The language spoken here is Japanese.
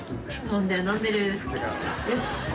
よし！